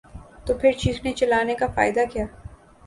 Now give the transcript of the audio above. تو پھر چیخنے چلانے کا فائدہ کیا؟